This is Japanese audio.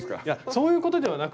そういうことではない。